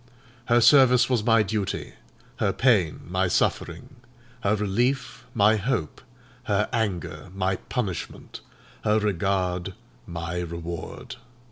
Her service was my duty—her pain, my suffering—her relief, my hope—her anger, my punishment—her regard, my reward.